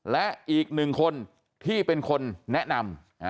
และอีกหนึ่งคนที่เป็นคนแนะนำ